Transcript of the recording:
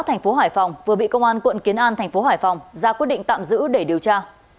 thành phố hải phòng vừa bị công an quận kiến an thành phố hải phòng ra quyết định tạm giữ để điều tra